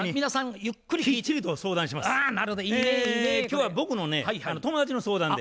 今日は僕のね友達の相談で。